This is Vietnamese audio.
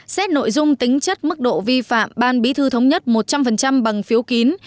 xét nội dung tính chất mức độ vi phạm ban bí thư thống nhất một trăm linh bằng phiếu kín